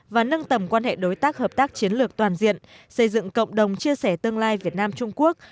và nâng tầm quan hệ đối tác hợp tác chiến lược toàn diện xây dựng cộng đồng chia sẻ tương lai việt nam trung quốc